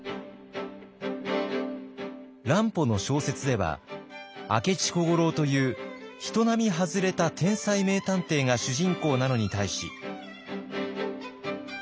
乱歩の小説では明智小五郎という人並み外れた天才名探偵が主人公なのに対し。